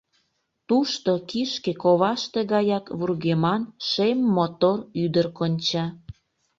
Тушто кишке коваште гаяк вургеман шем мотор ӱдыр конча.